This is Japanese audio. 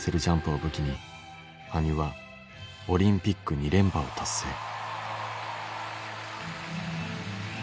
ジャンプを武器に羽生はオリンピック２連覇を達成。